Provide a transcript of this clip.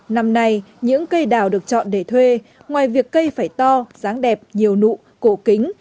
năm nay những cây đào được chọn để thuê ngoài việc cây phải to dáng đẹp nhiều nụ cổ kính